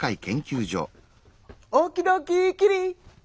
オーキドーキキリ。